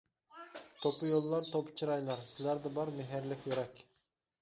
توپا يوللار توپا چىرايلار، سىلەردە بار مېھىرلىك يۈرەك.